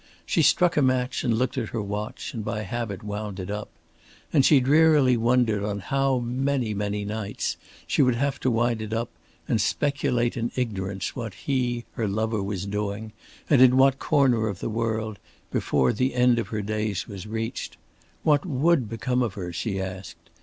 She struck a match and looked at her watch and by habit wound it up. And she drearily wondered on how many, many nights she would have to wind it up and speculate in ignorance what he, her lover, was doing and in what corner of the world, before the end of her days was reached. What would become of her? she asked.